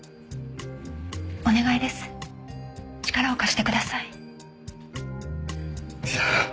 お願いです力を貸してください。